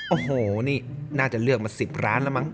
โอ้โหนี่น่าจะเลือกมา๑๐ร้านแล้วมั้ง